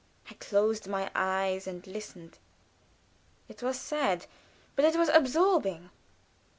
I closed my eyes and listened. It was sad, but it was absorbing.